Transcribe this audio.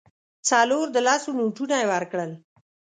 څلور د لسو نوټونه یې ورکړل.